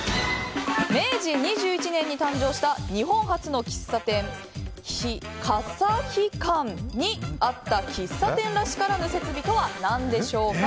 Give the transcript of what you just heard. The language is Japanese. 明治２１年に誕生した日本初の喫茶店にあった喫茶店らしからぬ設備とは何でしょうか？